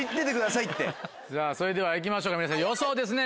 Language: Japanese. さぁそれでは行きましょうか皆さん予想ですね。